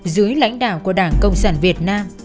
dưới lãnh đạo của đảng cộng sản việt nam